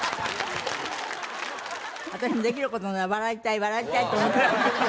私もできる事なら笑いたい笑いたいと思っているんです。